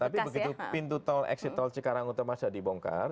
tapi begitu pintu tol exit tol cikarang utama sudah dibongkar